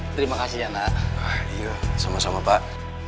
terima kasih ya nak yuk sama sama pak